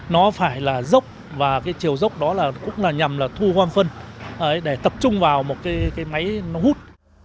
nó phải là dốc và cái chiều dốc đó là cũng là nhằm là thu gom phân để tập trung vào một cái máy nó hút